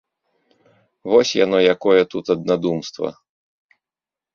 Вось яно якое тут аднадумства!